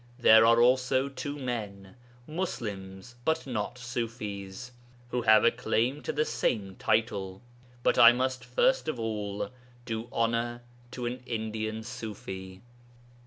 There are also two men, Muslims but no Ṣufis, who have a claim to the same title. But I must first of all do honour to an Indian Ṣufi.